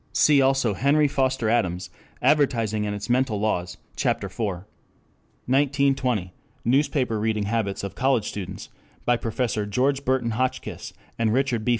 See also Henry Foster Adams, Advertising and its Mental Laws, Ch. IV. 1920 Newspaper Reading Habits of College Students, by Prof. George Burton Hotchkiss and Richard B.